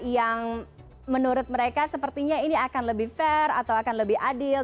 yang menurut mereka sepertinya ini akan lebih fair atau akan lebih adil